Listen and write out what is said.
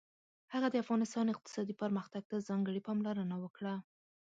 هغه د افغانستان اقتصادي پرمختګ ته ځانګړې پاملرنه وکړه.